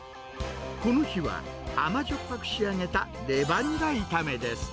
この日は、甘じょっぱく仕上げたレバニラ炒めです。